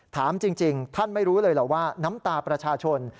ถามจริงท่านไม่รู้เลยเหรอว่าน้ำตาประชาชน